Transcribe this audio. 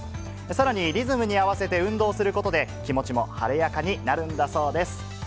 さらにリズムに合わせて運動することで、気持ちも晴れやかになるんだそうです。